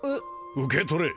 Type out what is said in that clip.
受け取れ